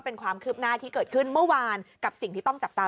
เป็นความคืบหน้าที่เกิดขึ้นเมื่อวานกับสิ่งที่ต้องจับตา